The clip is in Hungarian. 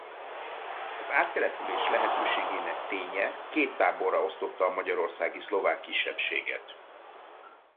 Az áttelepülés lehetőségének ténye két táborra osztotta a magyarországi szlovák kisebbséget.